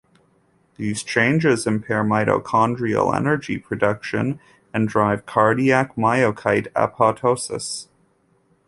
These changes impair mitochondrial energy production and drive cardiac myocyte apoptosis.